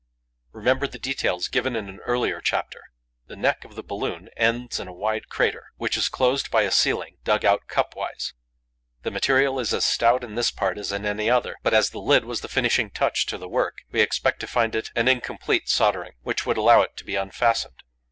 Remember the details given in an earlier chapter. The neck of the balloon ends in a wide crater, which is closed by a ceiling dug out cup wise. The material is as stout in this part as in any other; but, as the lid was the finishing touch to the work, we expect to find an incomplete soldering, which would allow it to be unfastened.